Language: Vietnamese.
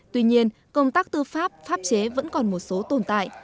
tuy nhiên công tác tư pháp pháp chế vẫn còn một số tồn tại